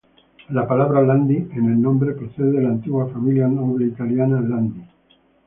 La palabra "Landi" en el nombre procede de la antigua familia noble italiana Landi.